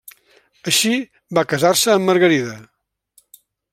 Així, va casar-se amb Margarida.